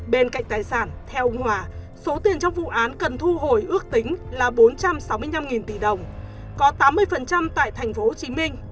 bên cạnh tài sản theo ông hòa số tiền trong vụ án cần thu hồi ước tính là bốn trăm sáu mươi năm tỷ đồng có tám mươi tại tp hcm